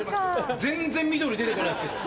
全然緑出てこないんですけど。